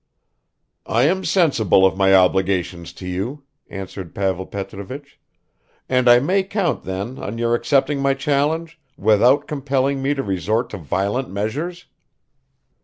"I am sensible of my obligations to you," answered Pavel Petrovich, "and I may count then on your accepting my challenge, without compelling me to resort to violent measures?"